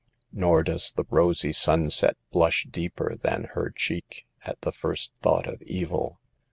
Nor does the rosy sunset blush deeper than her cheek, at the first thought of evil.